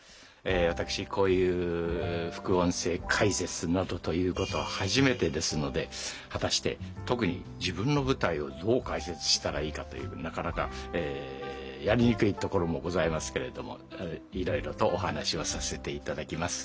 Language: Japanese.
私こういう副音声解説などということは初めてですので果たして特に自分の舞台をどう解説したらいいかというなかなかやりにくいところもございますけれどもいろいろとお話をさせていただきます。